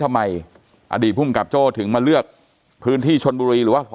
อดีตภูมิกับโจ้ถึงมาเลือกพื้นที่ชนบุรีหรือว่า